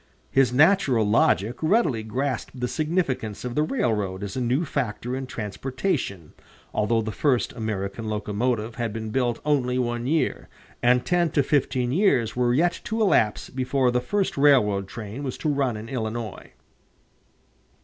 His natural logic readily grasped the significance of the railroad as a new factor in transportation, although the first American locomotive had been built only one year, and ten to fifteen years were yet to elapse before the first railroad train was to run in Illinois.